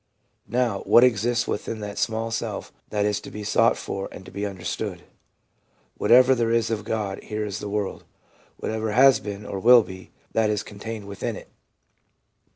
Now, what exists within that small self that is to be sought for and to be understood. ... Whatever there is of God here in the world, whatever has been or will be, that is con tained within it.